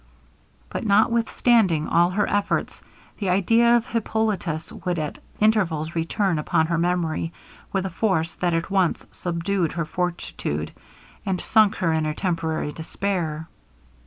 But notwithstanding all her efforts, the idea of Hippolitus would at intervals return upon her memory with a force that at once subdued her fortitude, and sunk her in a temporary despair.